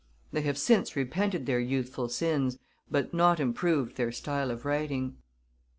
They have since repented their youthful sins, but not improved their style of writing.